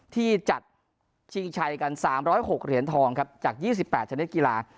ที่จัดชิงชัยกัน๓๐๖เหรียญทองครับจาก๒๘ชนิดกีฬา